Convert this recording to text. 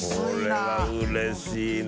これはうれしいね。